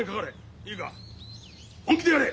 いいか本気でやれ。